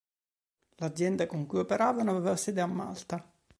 L'azienda con cui operavano aveva sede a Malta.